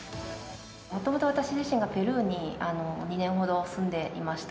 もともと私自身がペルーに２年ほど住んでいました。